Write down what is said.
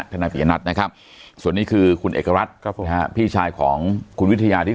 นายปียนัทนะครับส่วนนี้คือคุณเอกรัฐพี่ชายของคุณวิทยาที่